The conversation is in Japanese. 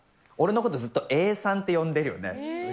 俺のこと、ずっと、えーさんって呼んでるよね。